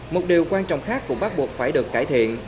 một điều quan trọng khác cũng bắt buộc phải được cải thiện